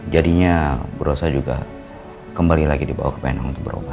jadinya berusaha juga kembali lagi dibawa ke pnm untuk berubah